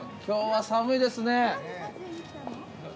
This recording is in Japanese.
今日は寒いですね。